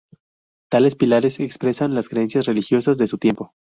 Tales pilares expresan las creencias religiosas de su tiempo.